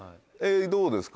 どうですか？